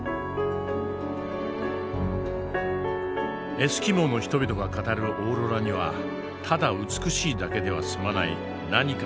エスキモーの人々が語るオーロラにはただ美しいだけでは済まない何かがある。